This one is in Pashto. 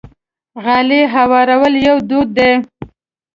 غالۍ هوارول یو دود دی.